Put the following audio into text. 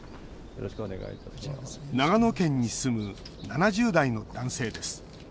長野県に住む７０代の男性です。